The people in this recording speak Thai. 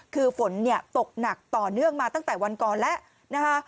คือฝนเนี่ยตกหนักต่อเนื่องมาตั้งแต่วันก่อนแล้วนะคะ